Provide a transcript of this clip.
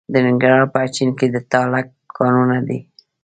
د ننګرهار په اچین کې د تالک کانونه دي.